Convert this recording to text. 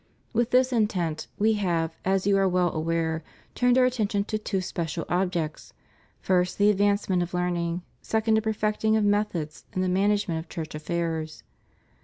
With this intent, We have, as you are well aware, turned Our attention to two special objects: first, the advancement of learning; second, a perfecting of methods in the man agement of Church affairs.